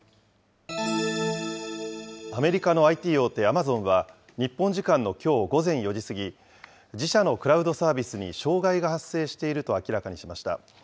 アメリカのＩＴ大手、アマゾンは、日本時間のきょう午前４時過ぎ、自社のクラウドサービスに障害が発生していると明らかにしました。